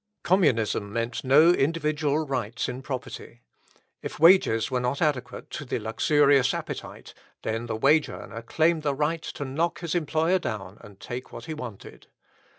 Communism meant no individual rights in property. If wages were not adequate to the luxurious appetite, then the wage earner claimed the right to knock his employer down and take what he wanted.